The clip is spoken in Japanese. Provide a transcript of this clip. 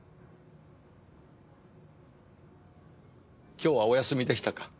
今日はお休みでしたか？